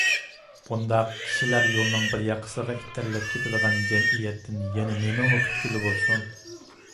بۇنداق كىشىلەر يولنىڭ بىر ياقىسىغا ئىتتىرىلىپ كىتىدىغان جەمئىيەتتىن يەنە نېمىمۇ كۈتكىلى بولسۇن!